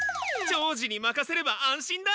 長次にまかせれば安心だ！